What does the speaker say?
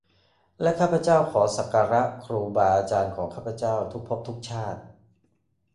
และข้าพเจ้าขอสักการะครูบาอาจารย์ของข้าพเจ้าทุกภพทุกชาติ